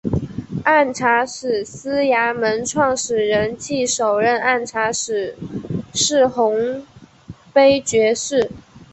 按察使司衙门创设人暨首任按察使是洪卑爵士。